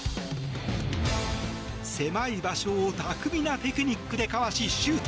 狭い場所を巧みなテクニックでかわしシュート。